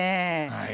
はい。